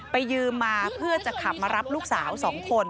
ยืมมาเพื่อจะขับมารับลูกสาว๒คน